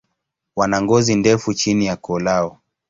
Wana ngozi ndefu chini ya koo lao.